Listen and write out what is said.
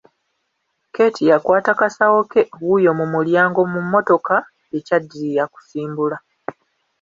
Keeti yakwata kasawo ke wuuyo mu mulyango, mu mmotoka ekyaddirira kusimbula.